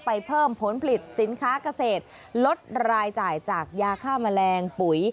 เพิ่มผลผลิตสินค้าเกษตรลดรายจ่ายจากยาฆ่าแมลงปุ๋ย